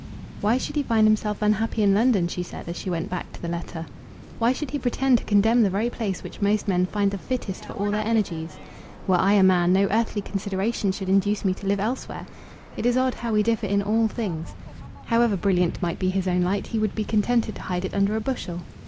"Why should he find himself unhappy in London?" she said, as she went back to the letter. "Why should he pretend to condemn the very place which most men find the fittest for all their energies? Were I a man, no earthly consideration should induce me to live elsewhere. It is odd how we differ in all things. However brilliant might be his own light, he would be contented to hide it under a bushel!"